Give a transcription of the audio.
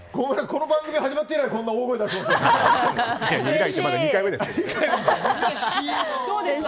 この番組始まって以来こんなに大声出しましたよ。